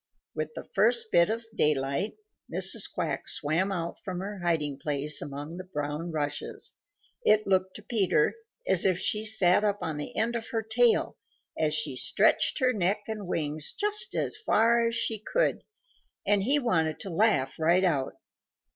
With the first bit of daylight, Mrs. Quack swam out from her hiding place among the brown rushes. It looked to Peter as if she sat up on the end of her tail as she stretched her neck and wings just as far as she could, and he wanted to laugh right out.